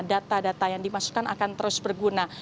data data yang dimasukkan akan terus berguna